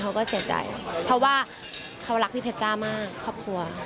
เขาก็เสียใจเพราะว่าเขารักพี่เพชจ้ามากครอบครัว